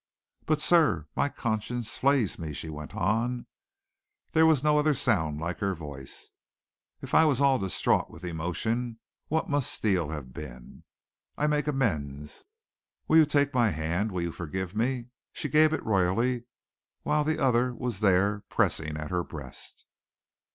"But, sir, my conscience flays me," she went on. There was no other sound like her voice. If I was all distraught with emotion, what must Steele have been? "I make amends. Will you take my hand? Will you forgive me?" She gave it royally, while the other was there pressing at her breast.